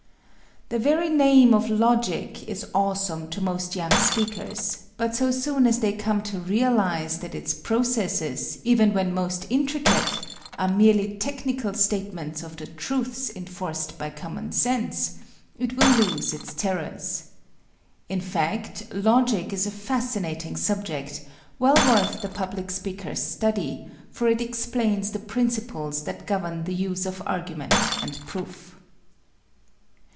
The very name of logic is awesome to most young speakers, but so soon as they come to realize that its processes, even when most intricate, are merely technical statements of the truths enforced by common sense, it will lose its terrors. In fact, logic is a fascinating subject, well worth the public speaker's study, for it explains the principles that govern the use of argument and proof.